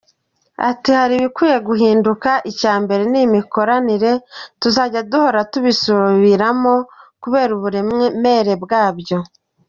Ati “Hari ibikwiye guhinduka, icya mbere ni imikoranire, tuzajya duhora tubisubiramo kubera uburemere bwabyo.